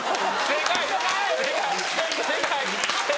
正解！